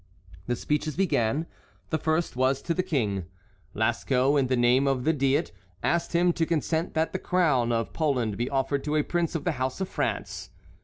The speeches began. The first was to the King. Lasco, in the name of the Diet, asked him to consent that the crown of Poland be offered to a prince of the house of France.